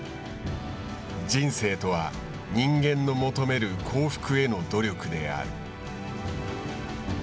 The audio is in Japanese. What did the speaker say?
人生とは人間の求める幸福への努力である。